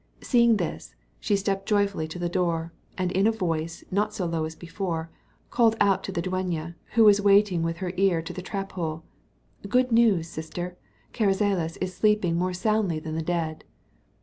Seeing this, she stepped joyfully to the door; and in a voice not so low as before, called out to the dueña, who was waiting with her ear to the trap hole. "Good news, sister; Carrizales is sleeping more soundly than the dead."